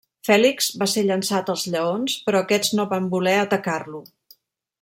Fèlix va ser llençat als lleons però aquests no van voler atacar-lo.